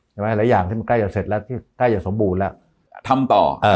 หลายอย่างที่มันใกล้จะเสร็จแล้วที่ใกล้จะสมบูรณ์แล้วทำต่อเอ่อ